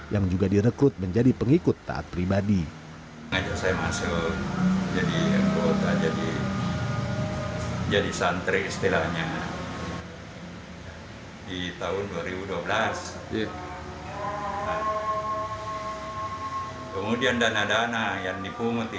yang juga direkrut menjadi pengikut